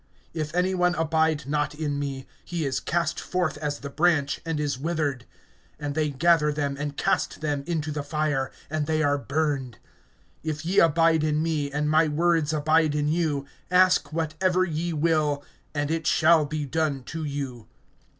(6)If any one abide not in me, he is cast forth as the branch, and is withered; and they gather them, and cast them into the fire, and they are burned. (7)If ye abide in me, and my words abide in you, ask whatever ye will, and it shall be done to you.